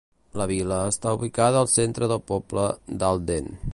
La vila està ubicada al centre del poble d'Alden.